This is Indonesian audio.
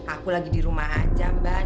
aku lagi di rumah aja mbak